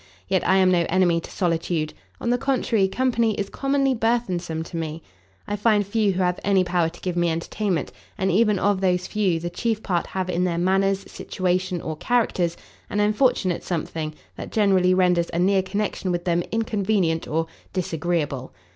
Yet I am no enemy to solitude; on the contrary, company is commonly burthensome to me; I find few who have any power to give me entertainment, and even of those few, the chief part have in their manners, situation, or characters, an unfortunate something, that generally renders a near connection with them inconvenient or disagreeable.